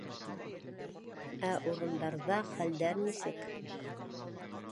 Ә урындарҙа хәлдәр нисек?